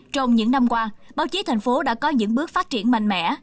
trong những năm qua báo chí tp hcm đã có những bước phát triển mạnh mẽ